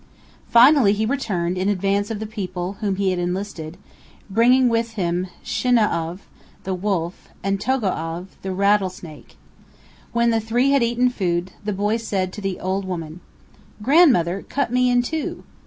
Finally he returned in advance of the people whom he had enlisted, bringing with him Shinau'av, the Wolf, and Togo'av, the Rattlesnake. When the three had eaten food, the boy said to the old woman: "Grandmother, cut me in two!"